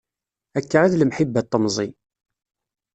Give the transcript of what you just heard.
Akka i d lemḥibba n temẓi.